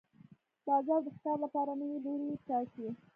باز د ښکار لپاره نوی لوری ټاکي